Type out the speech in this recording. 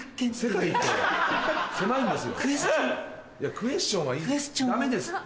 クエスチョンはいいダメですって。